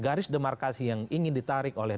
garis demarkasi yang ingin ditarik oleh dua ratus dua belas